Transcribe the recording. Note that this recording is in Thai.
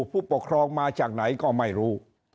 ผู้ปกครองมาจากไหนก็ไม่รู้